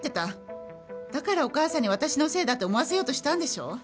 だからお義母さんに私のせいだって思わせようとしたんでしょ？